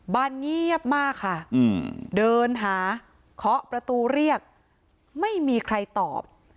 บ้านเงียบมากค่ะเดินหาเคาะประตูเรียกไม่มีใครตอบ